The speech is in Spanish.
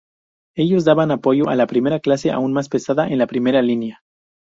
Ellos daban apoyo a la primera clase aún más pesada en la primera línea.